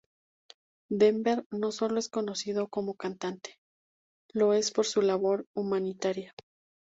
Denver no sólo es conocido como cantante, lo es por su labor humanitaria.